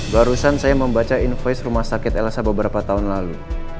barusan saya membaca invoice rumah sakit elsa beberapa tahun lalu